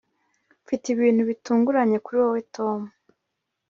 mfite ibintu bitunguranye kuri wewe, tom